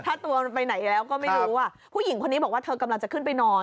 ถ้าตัวมันไปไหนแล้วก็ไม่รู้อ่ะผู้หญิงคนนี้บอกว่าเธอกำลังจะขึ้นไปนอน